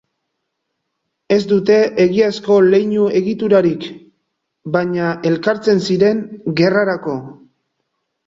Ez dute egiazko leinu-egiturarik, baina elkartzen ziren gerrarako.